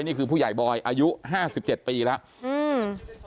นี่คือผู้ใหญ่บอยอายุ๕๗ปีแล้ว